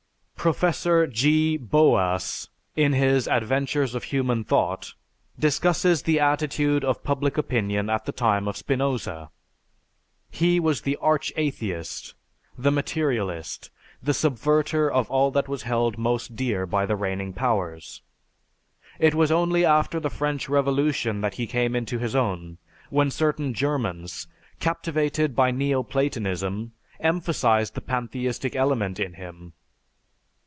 Professor G. Boas, in his "Adventures of Human Thought," discusses the attitude of public opinion of the time of Spinoza. "He was the arch atheist, the materialist, the subverter of all that was held most dear by the reigning powers. It was only after the French Revolution that he came into his own when certain Germans, captivated by Neo Platonism, emphasized the pantheistic element in him.